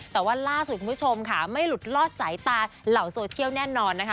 แต่ว่าล่าสุดคุณผู้ชมค่ะไม่หลุดลอดสายตาเหล่าโซเชียลแน่นอนนะคะ